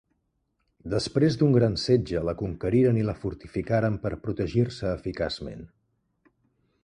Després d'un gran setge la conqueriren i la fortificaren per protegir-se eficaçment.